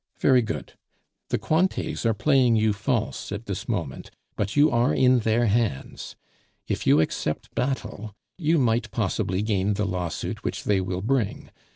Very good. The Cointets are playing you false at this moment, but you are in their hands. If you accept battle, you might possibly gain the lawsuit which they will bring.